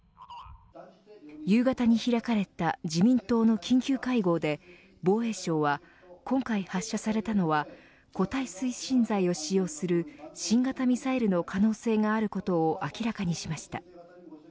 夕方に開かれた自民党の緊急会合で防衛省は今回発射されたのは固体推進剤を使用する新型ミサイルの可能性があることを明らかにしました。